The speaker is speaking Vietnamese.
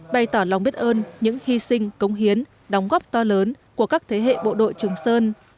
bày tỏ lòng biết ơn những hy sinh công hiến đóng góp to lớn của các thế hệ bộ đội trường sơn